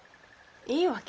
いいわけ。